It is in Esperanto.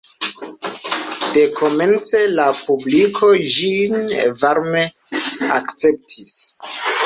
Dekomence la publiko ĝin varme akceptis.